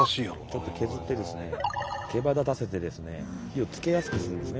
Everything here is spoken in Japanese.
削ってですねけばだたせてですね火をつけやすくするんですね